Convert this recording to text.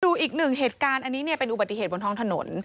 อีกหนึ่งเหตุการณ์อันนี้เนี่ยเป็นอุบัติเหตุบนท้องถนน